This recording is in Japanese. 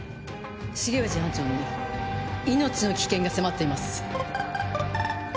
重藤班長に命の危険が迫っています。